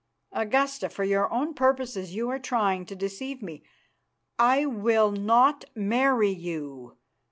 Augusta, for your own purposes you are trying to deceive me. I will not marry you.